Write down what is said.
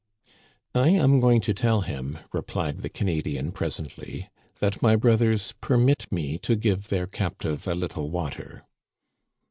" I am going to tell him," replied the Canadian pres ently, that my brothers permit me to give their captive a little water."